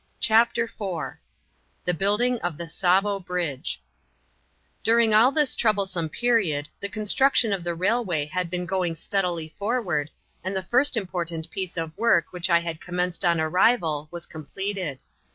CHAPTER IV THE BUILDING OF THE TSAVO BRIDGE During all this troublesome period the construction of the railway had been going steadily forward, and the first important piece of work which I had commenced on arrival was completed.